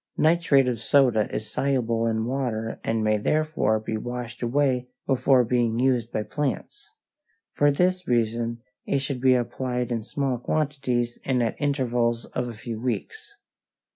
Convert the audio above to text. Nitrate of soda is soluble in water and may therefore be washed away before being used by plants. For this reason it should be applied in small quantities and at intervals of a few weeks.